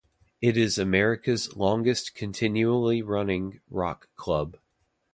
It is "America's Longest Continually Running Rock Club".